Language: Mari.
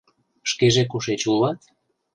Шкеже кушеч улат?